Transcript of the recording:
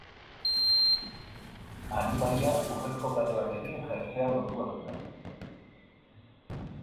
Animalia urrezko kate batekin jertsean lotua zuen.